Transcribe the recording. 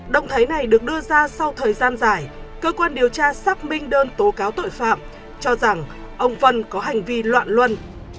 động thái này được đưa ra sau thời gian dài cơ quan điều tra xác minh đơn tố cáo tội phạm cho rằng ông vân có hành vi loạn luân